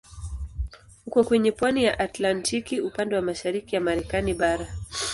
Uko kwenye pwani ya Atlantiki upande wa mashariki ya Marekani bara.